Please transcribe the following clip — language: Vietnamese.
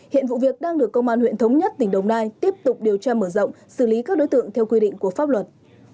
hiện vụ việc đang được công an huyện thống nhất tỉnh đồng nai tiếp tục điều tra mở rộng xử lý các đối tượng theo quy định của pháp luật